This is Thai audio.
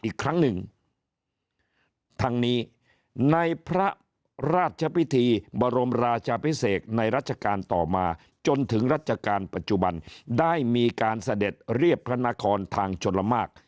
อีกครั้งหนึ่งทางนี้ในพระราชพิธีบรมราชาพิเศษในรัชกาลต่อมาจนถึงรัชกาลปัจจุบันได้มีการเสด็จเรียบพระนครทางชลมาก